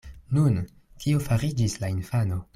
Nun, kio fariĝis la infano?